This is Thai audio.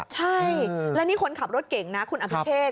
ใช่แล้วนี่คนขับรถเก่งนะคุณอภิเชษ